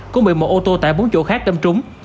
cũng bị một ô tô tại bốn chỗ khác đâm trúng